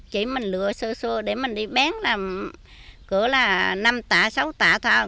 chỉ mình lựa sơ sơ để mình đi bán là cỡ là năm tả sáu tả thôi